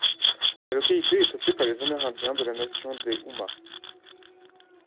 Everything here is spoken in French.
La localité est peuplée par les Amérindiens de la Nation des Houmas.